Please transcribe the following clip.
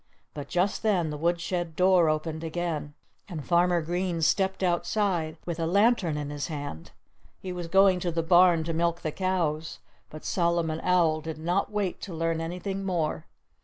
But just then the woodshed door opened again. And Farmer Green stepped outside, with a lantern in his hand. He was going to the barn to milk the cows. But Solomon Owl did not wait to learn anything more.